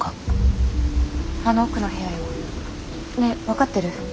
あの奥の部屋よ。ねえ分かってる？